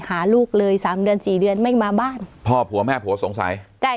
หาลูกเลยสามเดือนสี่เดือนไม่มาบ้านพ่อผัวแม่ผัวสงสัยใจ